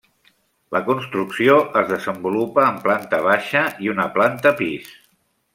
La construcció es desenvolupa en planta baixa i una planta pis.